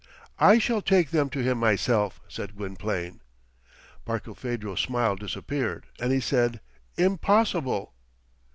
"I shall take them to him myself," said Gwynplaine. Barkilphedro's smile disappeared, and he said, "Impossible!"